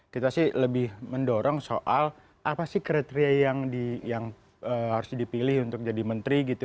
kita sih lebih mendorong soal apa sih kriteria yang harus dipilih untuk jadi menteri gitu